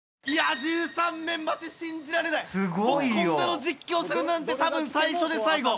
僕こんなの実況するなんて多分最初で最後。